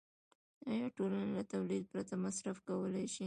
آیا ټولنه له تولید پرته مصرف کولی شي